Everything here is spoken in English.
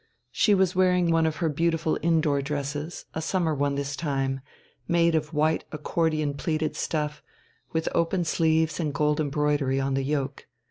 She was wearing one of her beautiful indoor dresses, a summer one this time, made of white accordion pleated stuff, with open sleeves and gold embroidery on the yoke.